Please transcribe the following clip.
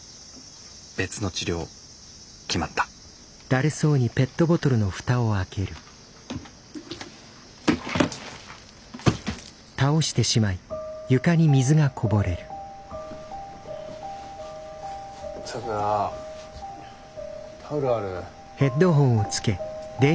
別の治療決まった咲良タオルある？